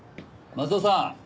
松尾さん？